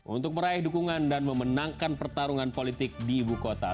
untuk meraih dukungan dan memenangkan pertarungan politik di ibu kota